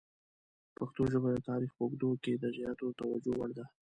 پښتو ژبه د تاریخ په اوږدو کې د زیاتې توجه وړ ده.